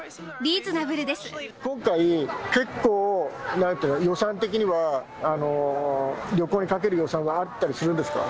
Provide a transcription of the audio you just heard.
今回、結構、予算的には、旅行にかける予算はあったりするんですか？